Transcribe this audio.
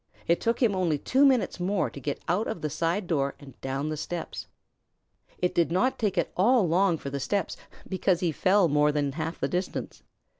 It took him only two minutes more to get out of the side door and down the steps. It did not take at all long for the steps, because he fell more than half the distance.